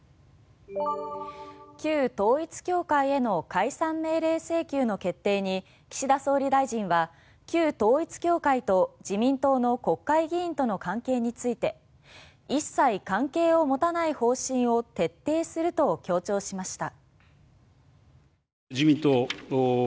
旧統一教会への解散命令請求の決定に岸田総理大臣は旧統一教会と自民党の国会議員との関係について一切関係を持たない方針を徹底すると強調しました。